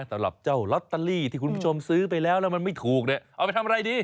สำหรับเจ้าลอตเตอรี่ที่คุณผู้ชมซื้อไปแล้วแล้วมันไม่ถูกเนี่ยเอาไปทำอะไรดี